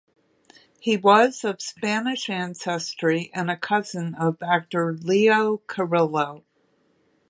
He was of Spanish ancestry and a cousin of actor Leo Carrillo.